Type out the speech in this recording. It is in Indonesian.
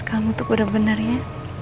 kamu tuh bener benernya